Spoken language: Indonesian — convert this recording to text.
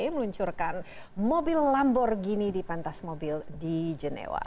meluncurkan mobil lamborghini di pantas mobil di genewa